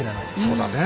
そうだねえ。